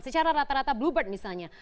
secara rata rata bluebird misalnya